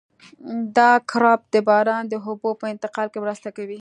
دا کرب د باران د اوبو په انتقال کې مرسته کوي